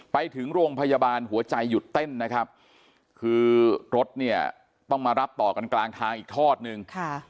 ไปถึงโรงพยาบาลหัวใจหยุดเต้นนะครับคือรถเนี่ยต้องมารับต่อกันกลางทางอีกทอดนึง